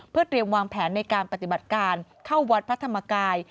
เพื่อเตรียมวางแผนในการปฏิบัติการเข้าวัดพระธรรมกาย